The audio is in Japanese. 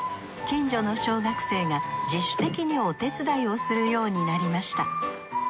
近所の小学生が自主的にお手伝いをするようになりました。